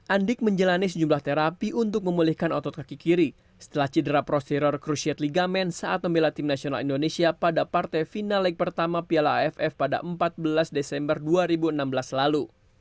andik menjalani sejumlah terapi untuk memulihkan otot kaki kiri setelah cedera prostiror krusiat ligamen saat membela tim nasional indonesia pada partai final leg pertama piala aff pada empat belas desember dua ribu enam belas lalu